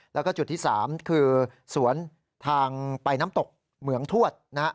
แล้วก็จุดที่๓คือสวนทางไปน้ำตกเหมืองทวดนะฮะ